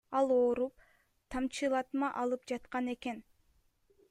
Ал ооруп, тамчылатма алып жаткан экен.